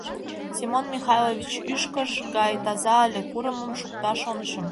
Семон Михайлович ӱшкыж гай таза ыле, курымым шукта, шонышым.